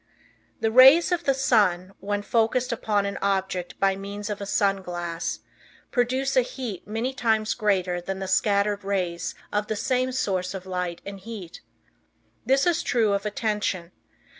The rays of the sun, when focused upon an object by means of a sun glass, produce a heat many times greater than the scattered rays of the same source of light and heat. This is true of attention.